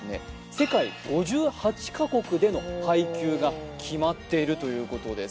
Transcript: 世界５８カ国での配給が決まっているということです